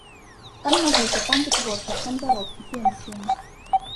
Там навука, там вытворчасць, там заробкі, пенсіі.